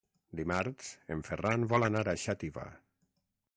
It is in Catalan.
Dimarts en Ferran vol anar a Xàtiva.